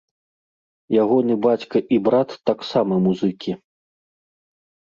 Ягоны бацька і брат таксама музыкі.